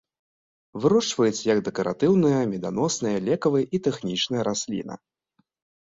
Вырошчваецца як дэкаратыўная, меданосная, лекавая і тэхнічная расліна.